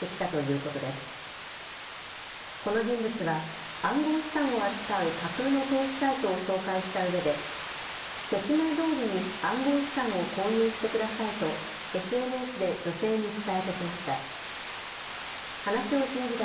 この人物は暗号資産を扱う架空の投資サイトを紹介したうえで説明どおりに暗号資産を購入してくださいとＳＮＳで女性に伝えてきました。